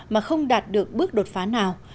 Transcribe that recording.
mà không đạt được bước đột phá nào